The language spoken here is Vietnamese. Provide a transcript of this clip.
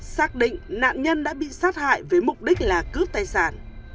xác định nạn nhân đã bị sát hại với mục đích là cướp tài sản